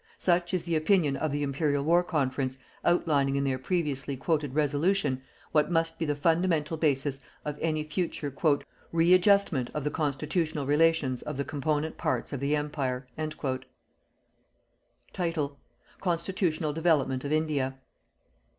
Such is the opinion of the Imperial War Conference outlining in their previously quoted "Resolution" what must be the fundamental basis of any future "READJUSTMENT OF THE CONSTITUTIONAL RELATIONS OF THE COMPONENT PARTS OF THE EMPIRE." CONSTITUTIONAL DEVELOPMENT OF INDIA.